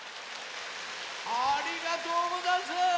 ありがとうござんす。